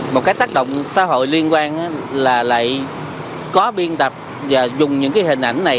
một cái tác động xã hội liên quan là lại có biên tập và dùng những cái hình ảnh này